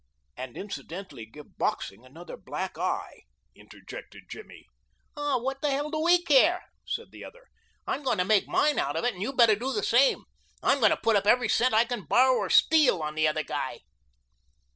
"And incidentally give boxing another black eye," interjected Jimmy. "Oh, what the hell do we care?" said the other. "I'm goin' to make mine out of it, and you better do the same. I'm goin' to put up every cent I can borrow or steal on the other guy."